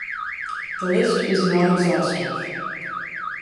The list is not exhaustive.